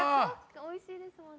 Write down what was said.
おいしいですもんね